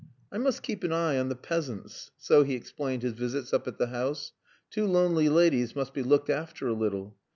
"I must keep an eye on the peasants" so he explained his visits up at the house. "Two lonely ladies must be looked after a little."